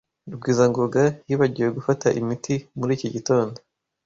Rugwizangoga yibagiwe gufata imiti muri iki gitondo.